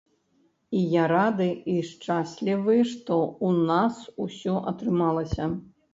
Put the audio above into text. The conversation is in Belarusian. І я рады і шчаслівы, што ў нас усё атрымалася.